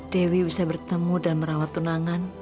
dewi bisa bertemu dan merawat tunangan